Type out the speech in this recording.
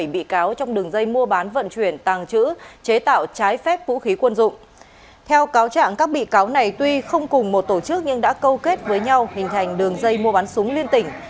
báo chẳng các bị cáo này tuy không cùng một tổ chức nhưng đã câu kết với nhau hình thành đường dây mua bán súng liên tỉnh